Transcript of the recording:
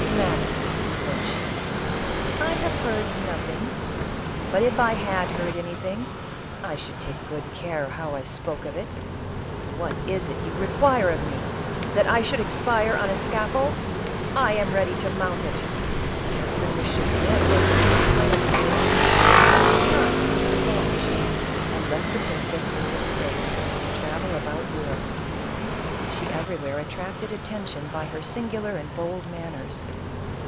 " Madam," wrote she, " I have heard nothing ; but if I had heard anything, I should take good care how I spoke of it. What is it you require of me ? That I should expire on.a scaf fold ? I am ready to mount it !" Catherine was cha grined at this display of spirit, but did not take revenge and left the princess in disgrace, to travel about Europe; she everywhere attracted attention by her singular and bold manners.